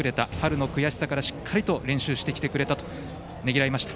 春の悔しさからしっかり練習してきてくれたとねぎらいました。